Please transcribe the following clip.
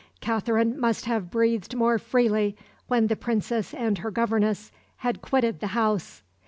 Katherine must have breathed more freely when the Princess and her governess had quitted the house.